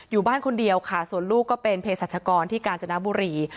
อยู่บ้านคนเดียวค่ะส่วนลูกก็เป็นเพศรัชกรที่กาญจนบุรี